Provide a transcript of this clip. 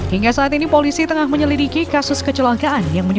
hingga saat ini polisi tengah menyelidiki kasus kecelakaan